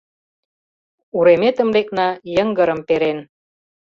Уреметым лекна, йыҥгырым перен.